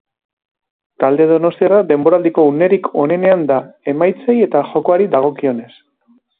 Talde donostiarra denboraldiko unerik onenean da, emaitzei eta jokoari dagokienez.